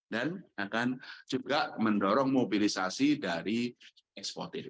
dan akan juga mendorong mobilisasi dari eksportis